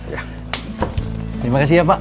terima kasih ya pak